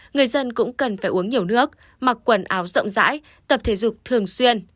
người dân cũng cần phải uống nhiều nước mặc quần áo rộng rãi tập thể dục thường xuyên